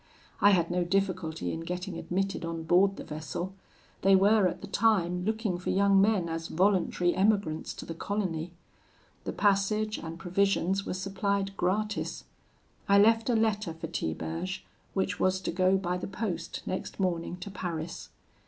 I had no difficulty in getting admitted on board the vessel. They were at the time looking for young men as voluntary emigrants to the colony. The passage and provisions were supplied gratis. I left a letter for Tiberge, which was to go by the post next morning to Paris.